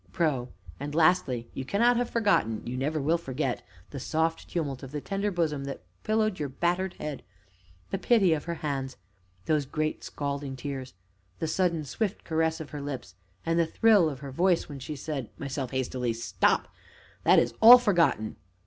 PRO. And, lastly, you cannot have forgotten you never will forget the soft tumult of the tender bosom that pillowed your battered head the pity of her hands those great, scalding tears, the sudden, swift caress of her lips, and the thrill in her voice when she said MYSELF (hastily). Stop! that is all forgotten.